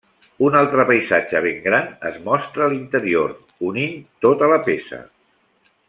Un altre paisatge ben gran es mostra a l'interior, unint tota la peça.